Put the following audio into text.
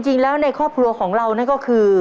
จริงแล้วในครอบครัวของเรานั่นก็คือ